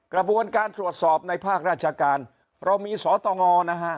กระบวนการตรวจสอบในภาคราชการเรามีสตงนะฮะ